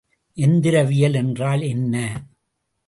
எந்திரவியல் என்றால் என்ன?